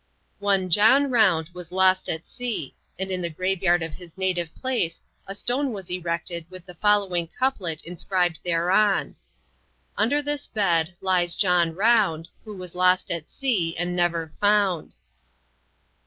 One John Round was lost at sea, and in the grave yard of his native place a stone was erected with the following couplet inscribed thereon: "Under this bed lies John Round Who was lost at sea and never found."